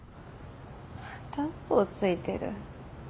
また嘘をついてる。